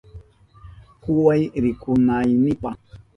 Kuway rikunaynipa.